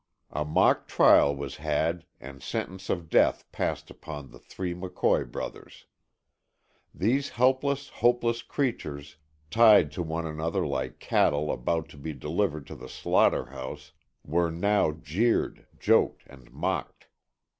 A mock trial was had and sentence of death passed upon the three McCoy brothers. These helpless, hopeless creatures, tied to one another like cattle about to be delivered to the slaughterhouse, were now jeered, joked and mocked.